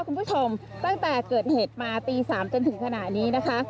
คุณผู้ชมตั้งแต่เกิดเหตุมาตี๓จนถึงขณะนี้นะคะ